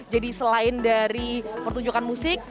jadi selain dari pertunjukan musik